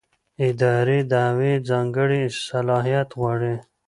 اداري دعوې ځانګړی صلاحیت غواړي.